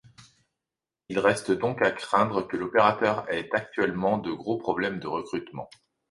Il reste donc à craindre que l'opérateur ait actuellement de gros problèmes de recrutement.